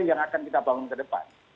yang akan kita bangun ke depan